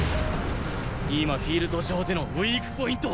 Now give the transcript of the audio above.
今フィールド上でのウィークポイントは。